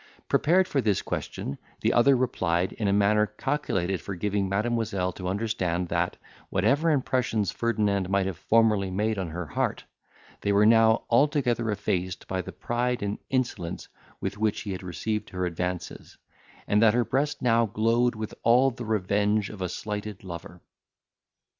Prepared for this question, the other replied, in a manner calculated for giving Mademoiselle to understand, that, whatever impressions Ferdinand might have formerly made on her heart, they were now altogether effaced by the pride and insolence with which he had received her advances; and that her breast now glowed with all the revenge of a slighted lover.